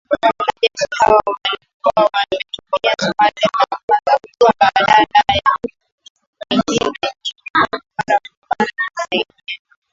wanajeshi hawa walikuwa wametumwa Somalia na kuwataka badala yake waingie nchini humo mara kwa mara kusaidia.